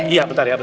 iya bentar ya